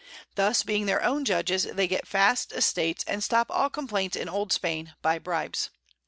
Thus, being their own Judges, they get vast Estates, and stop all Complaints in Old Spain, by Bribes.